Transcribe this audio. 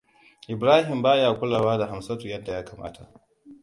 Ibrahim ba ya kulawa da Hamsatu yadda ya kamata.